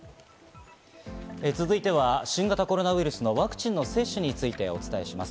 続いては新型コロナウイルスのワクチンの接種についてお伝えしていきます。